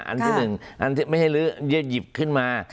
อันที่หนึ่งอันที่ไม่ให้รื้อจะหยิบขึ้นมา